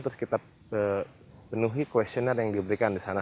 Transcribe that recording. terus kita penuhi questionnai yang diberikan di sana